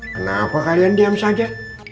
kenapa kalian diam saja